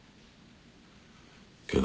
けど。